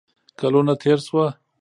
کلونه تیر شوه